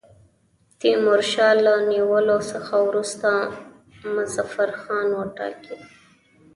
تیمورشاه له نیولو څخه وروسته مظفرخان وټاکی.